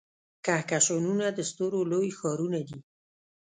کهکشانونه د ستورو لوی ښارونه دي.